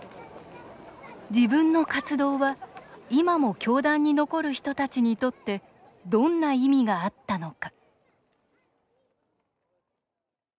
自分の活動は今も教団に残る人たちにとってどんな意味があったのか。